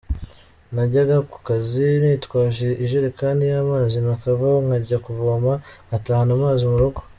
Najyaga ku kazi nitwaje ijerekani y’amazi nakavaho nkajya kuvoma ngatahana amazi mu rugo.